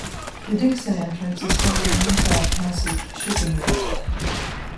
The Dixon Entrance is part of the Inside Passage shipping route.